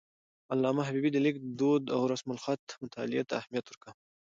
علامه حبيبي د لیک دود او رسم الخط مطالعې ته اهمیت ورکاوه.